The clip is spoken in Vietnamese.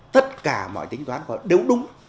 tất cả mọi tính toán của họ đều đúng